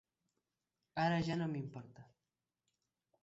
Ara ja no m'importa.